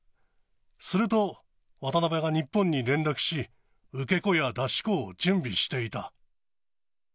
すると、渡辺が日本に連絡し、受け子や出し子を準備していた。